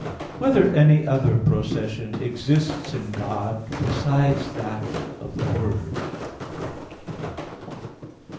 3] Whether Any Other Procession Exists in God Besides That of the Word?